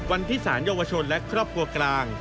วันที่สารเยาวชนและครอบครัวกลาง